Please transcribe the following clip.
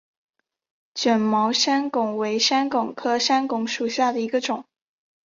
卷毛山矾为山矾科山矾属下的一个种。